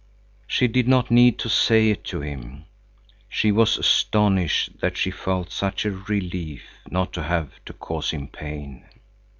She did not need to say it to him. She was astonished that she felt such a relief not to have to cause him pain.